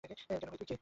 কেন তুই, আর কে?